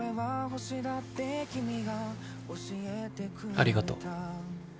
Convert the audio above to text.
ありがとう。